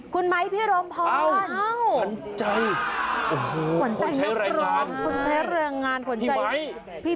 คุณไม้พี่รมพร้อมแล้วนะครับขนใจคนใช้รายงานพี่ไม้